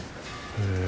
へえ。